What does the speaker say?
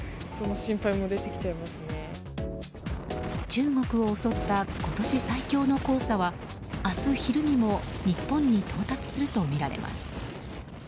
中国を襲った今年最強の黄砂は明日昼にも日本に到達するとみられます。